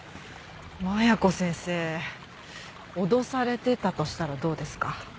麻弥子先生脅されてたとしたらどうですか？